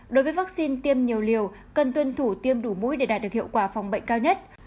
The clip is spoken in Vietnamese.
đối với vaccine tiêm nhiều liều cần tuân thủ tiêm đủ mũi để đạt được hiệu quả phòng bệnh cao nhất